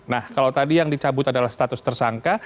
nah kalau tadi yang dicabut adalah status tersangka